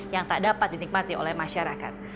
yang tak dapat dinikmati oleh masyarakat